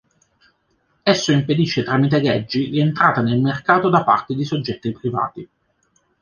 Esso impedisce tramite leggi l'entrata nel mercato da parte di soggetti privati.